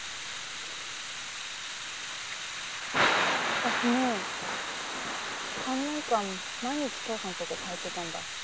私ね３年間毎日父さんのとこ通ってたんだ。